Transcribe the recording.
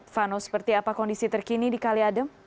vano seperti apa kondisi terkini di kali adem